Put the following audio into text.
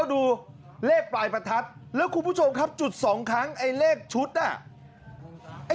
ก็ดูเลขประทัดแล้วคุณผู้ชมครับจุด๒ครั้งเลขชุดน่ะ